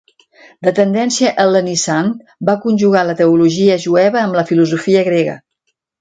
De tendència hel·lenitzant, va conjugar la teologia jueva amb la filosofia grega.